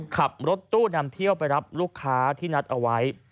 ขับรถตู้นำเที่ยวไปรับลูกค้าที่นัดเอาไว้